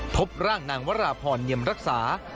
พบร่างนางวราพรเนียมรักษา